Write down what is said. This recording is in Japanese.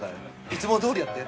いつもどおりやって。